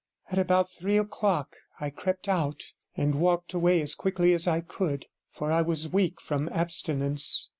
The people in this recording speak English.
At about three o'clock I crept out and walked away as quickly as I could, for I was weak from abstinence.